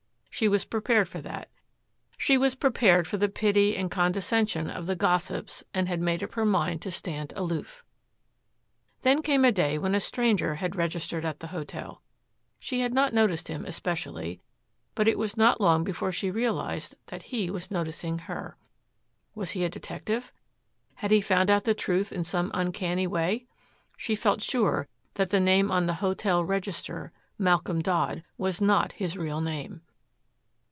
She was prepared for that. She was prepared for the pity and condescension of the gossips and had made up her mind to stand aloof. Then came a day when a stranger had registered at the hotel. She had not noticed him especially, but it was not long before she realized that he was noticing her. Was he a detective? Had he found out the truth in some uncanny way? She felt sure that the name on the hotel register, Malcolm Dodd, was not his real name.